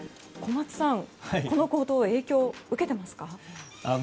小松さん、この高騰影響は受けてますか？